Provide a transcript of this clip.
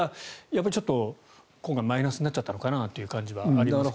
やっぱりちょっと今回マイナスになっちゃったのかなという感じはありますが。